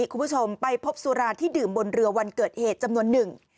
คุณผู้ชมไปพบสุราที่ดื่มบนเรือวันเกิดเหตุจำนวนหนึ่ง